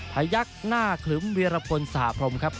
พยักดิ์หน้าขึ๋วเวียระภลสาธารณ์พรมครับ